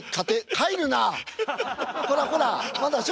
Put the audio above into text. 帰るな。